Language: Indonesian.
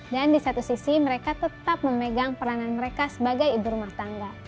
dan di satu sisi mereka tetap memegang peranan mereka sebagai ibu rumah tangga